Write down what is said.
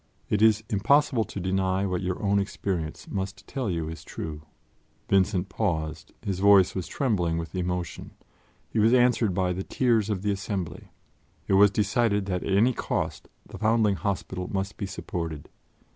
It is impossible to deny what your own experience must tell you is true." Vincent paused; his voice was trembling with emotion; he was answered by the tears of the assembly. It was decided that at any cost the Foundling Hospital must be supported.